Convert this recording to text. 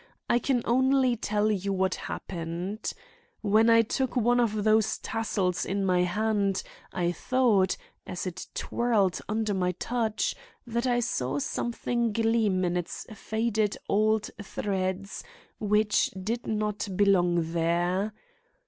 I can only tell you what happened. When I took one of those tassels in my band, I thought, as it twirled under my touch, that I saw something gleam in its faded old threads which did not belong there.